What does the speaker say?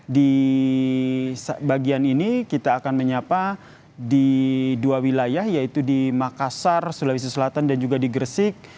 di bagian ini kita akan menyapa di dua wilayah yaitu di makassar sulawesi selatan dan juga di gresik